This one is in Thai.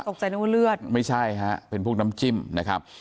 นึกว่าเลือดไม่ใช่ฮะเป็นพวกน้ำจิ้มนะครับ